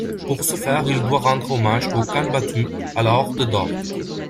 Pour ce faire il doit rendre hommage au Khan Batu à la Horde d'or.